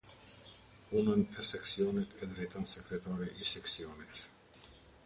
Punën e seksionit e drejton Sekretari i seksionit.